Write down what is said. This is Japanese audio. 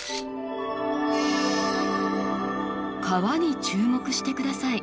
川に注目してください。